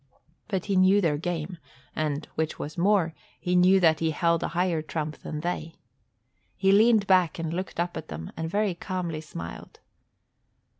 But he knew their game and, which was more, he knew that he held a higher trump than they. He leaned back and looked up at them and very calmly smiled.